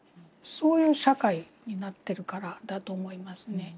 そういう社会になってるからだと思いますね。